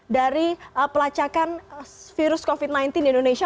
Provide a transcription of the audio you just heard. dari pelacakan virus covid sembilan belas di indonesia